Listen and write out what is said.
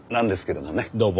どうも。